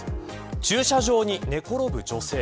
駐車場に寝転ぶ女性。